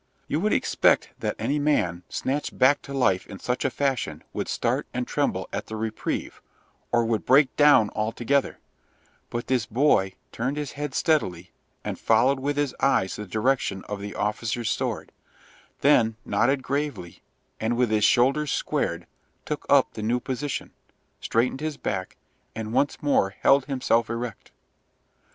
You would expect that any man, snatched back to life in such a fashion would start and tremble at the reprieve, or would break down altogether, but this boy turned his head steadily, and followed with his eyes the direction of the officer's sword, then nodded gravely, and, with his shoulders squared, took up the new position, straightened his back, and once more held himself erect.